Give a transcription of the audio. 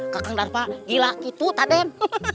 kakang darpa gila gitu taden